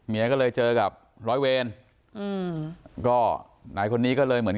เมียก็เลยเจอกับร้อยเวน